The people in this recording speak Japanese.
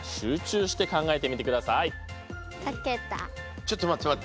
ちょっと待って待って。